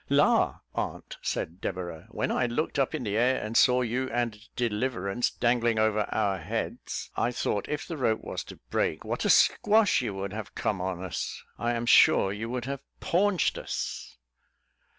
"La! aunt," said Deborah, "when I looked up in the air, and saw you and Deliverance dangling over our heads, I thought if the rope was to break, what a 'squash' you would have come on us: I am sure you would have paunched us."